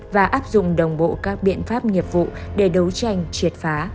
và áp dụng đồng bộ các biện pháp nghiệp vụ để đấu tranh triệt phá